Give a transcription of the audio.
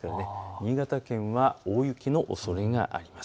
新潟県は大雪のおそれがあります。